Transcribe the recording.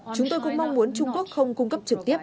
chúng tôi cũng mong muốn trung quốc không cung cấp trực tiếp